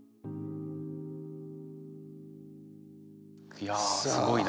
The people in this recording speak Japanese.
いやすごいな。